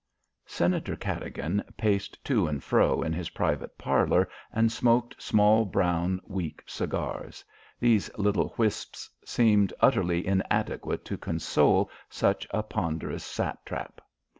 IV Senator Cadogan paced to and fro in his private parlour and smoked small, brown weak cigars. These little wisps seemed utterly inadequate to console such a ponderous satrap.